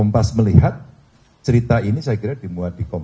paling terakhir saya ada dari kpp